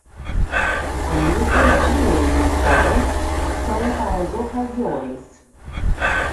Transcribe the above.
Amigos, dinheiro e collons são para as ocasiões.